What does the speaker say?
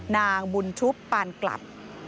นางบุญชุบปานกลับ